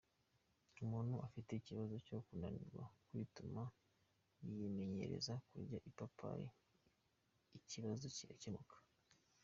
Umuntu ufite ikibazo cyo kunanirwa kwituma, yimenyereza kurya ipapayi ikibazo kigakemuka.